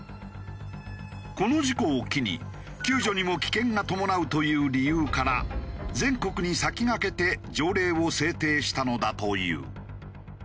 この事故を機に救助にも危険が伴うという理由から全国に先駆けて条例を制定したのだという。